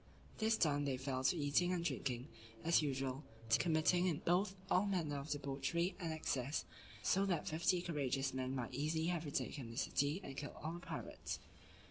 This done, they fell to eating and drinking, and as usual, to committing all manner of debauchery and excess, so that fifty courageous men might easily have retaken the city, and killed all the pirates.